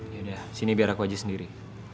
yaudah sini biar aku aja sendiri